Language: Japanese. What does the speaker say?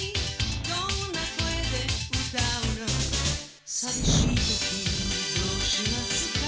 「どんな声で歌うの」「さみしいときどうしますか」